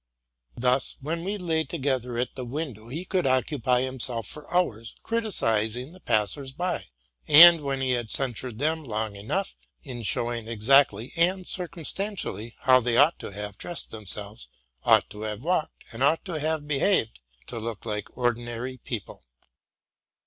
Thus, when we lay together at the window, he could occupy him self for hours criticismg the passers by, and, when he had censured them long enough, in showing exactly and circum: stantially how they ought to have dressed themselves, ought to have walked, and ought to have behaved, to look like orderly people.